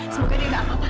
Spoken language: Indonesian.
semoga dia gak apa apa